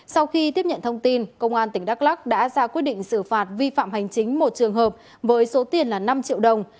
sau khi tiếp nhận thông tin công an tỉnh đắk lắc đã ra quyết định xử phạt vi phạm hành chính một trường hợp với số tiền là năm triệu đồng